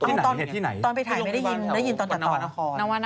ตอนไปถ่ายไม่ได้ยินได้ยินตอนก่อน